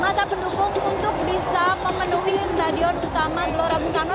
masa pendukung untuk bisa memenuhi stadion utama gelora bung karno